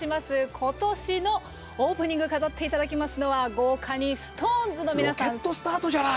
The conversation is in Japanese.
今年のオープニングを飾っていただきますのは豪華にＳｉｘＴＯＮＥＳの皆さん。